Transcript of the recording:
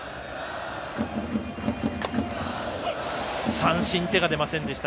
三振、手が出ませんでした。